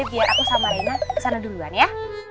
biar aku sama rina kesana duluan ya